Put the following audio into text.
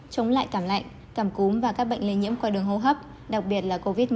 chống lại cảm lạnh cảm cúm và các bệnh lây nhiễm qua đường hô hấp đặc biệt là covid một mươi chín